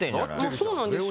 そうなんですよね。